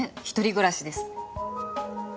一人暮らしです。